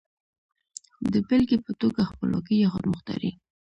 د بېلګې په توګه خپلواکي يا خودمختاري.